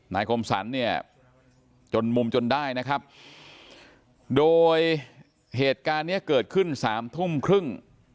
คมสรรเนี่ยจนมุมจนได้นะครับโดยเหตุการณ์เนี้ยเกิดขึ้นสามทุ่มครึ่ง